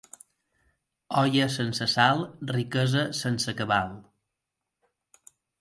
Olla sense sal, riquesa sense cabal.